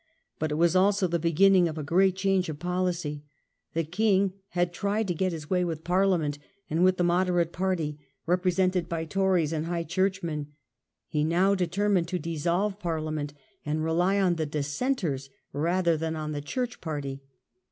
But it was also the beginning of a great change of policy : the king had tried to get his way with Parliament and with the moderate party, represented by Tories and high church men; he now determined to dissolve Parliament, and rely on the Dissenters rather than on the Church party.